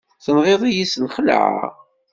Tenɣiḍ-iyi s lxeεla!